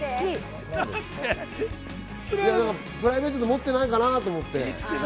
プライベートで持ってないかなと思って。